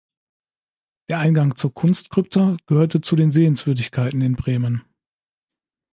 Der Eingang zur Kunst-Krypta gehörte zu den Sehenswürdigkeiten in Bremen.